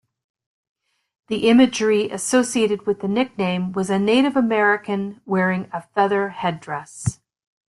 The imagery associated with the nickname was a Native American wearing a feather headdress.